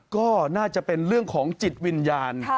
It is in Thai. ก็น่าจะเป็นเรื่องของจิตวิญญาณ